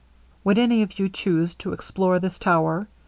'Would any of you chuse to explore this tower?'